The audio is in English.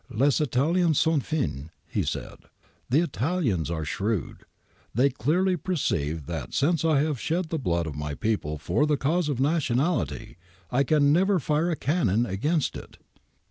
*" Lcs Italiens sont fins^ he said; ' the Italians are shrewd ; they clearly perceive that since I have shed the blood of my people for the cause of nationality, I can never fire a cannon against it.